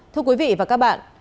thưa quý vị và các bạn